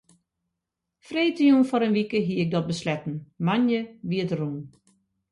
Freedtejûn foar in wike hie ik dat besletten, moandei wie it rûn.